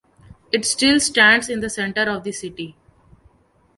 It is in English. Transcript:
It still stands in the center of the city.